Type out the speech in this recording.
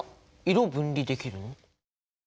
色を分離できるの？